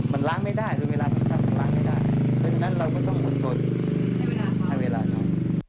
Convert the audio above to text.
มันล้างไม่ได้ด้วยเวลามันสร้างล้างไม่ได้ด้วยฉะนั้นเราก็ต้องวนทดให้เวลาเขา